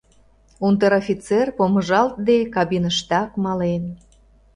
Унтер-офицер, помыжалтде, кабиныштак мален.